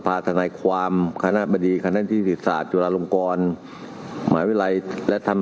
มีศาสตราจารย์พิเศษวิชามหาคุณเป็นประธานคณะกรรมการไปรูปประเทศด้านกรวมความวิทยาลัยธรรม